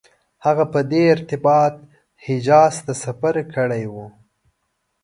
هغه په دې ارتباط حجاز ته سفر کړی و.